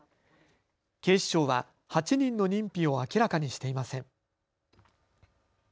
警視庁は８人の認否を明らかにしていません。